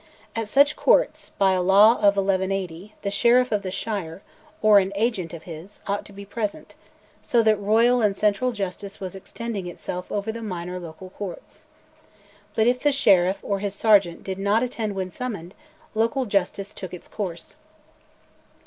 At such courts, by a law of 1180, the Sheriff of the shire, or an agent of his, ought to be present; so that royal and central justice was extending itself over the minor local courts. But if the sheriff or his sergeant did not attend when summoned, local justice took its course.